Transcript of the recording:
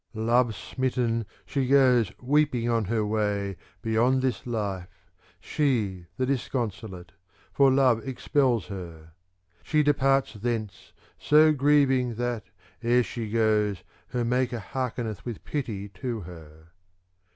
THE COMPLEMENT OF ODES 403 Love smitten she goes weeping on her way beyond this life, she the disconsolate, for love expels her. She departs thence^, so grieving that, e'er she goes, her maker hearkeneth with pity to her.